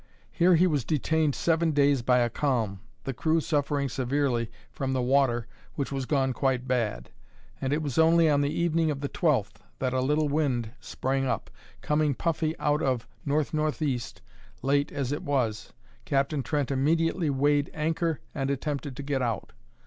Here he was detained seven days by a calm, the crew suffering severely from the water, which was gone quite bad; and it was only on the evening of the 12th, that a little wind sprang up, coming puffy out of N.N.E. Late as it was, Captain Trent immediately weighed anchor and attempted to get out.